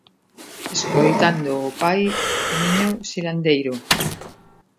Escoitando ó Pai Miño silandeiro.